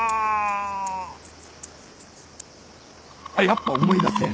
やっぱ思い出せん。